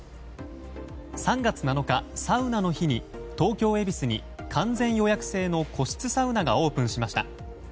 ３月７日サウナの日に東京・恵比寿に完全予約制の個室サウナがオープンしました。